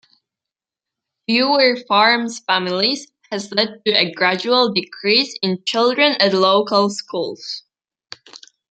Fewer farms families has led to a gradual decrease in children at local schools.